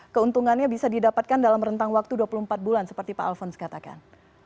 keuntungannya bisa didapatkan dalam rentang waktu dua puluh empat bulan seperti pak alfons katakan